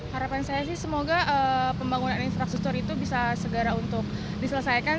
harapan saya sih semoga pembangunan infrastruktur itu bisa segera untuk diselesaikan